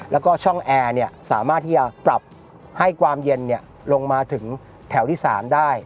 แล้วก็ช่องแอร์สามารถที่จะปรับให้ความเย็นลงมาถึงแถวที่๓ได้